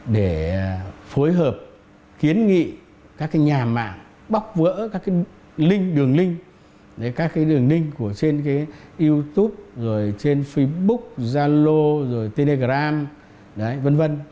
để phối hợp kiến nghị các nhà mạng bóc vỡ các đường linh trên youtube facebook zalo telegram v v